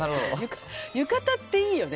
浴衣っていいよね。